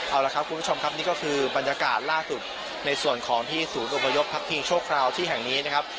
เอาละครับคุณผู้ชมครับนี่ก็คือบรรยากาศล่าสุดในส่วนของที่ศูนย์อพยพพักพิงชั่วคราวที่แห่งนี้นะครับ